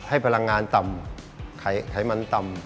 พลังงานต่ำไขมันต่ำ